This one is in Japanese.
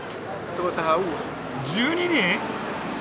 １２人！？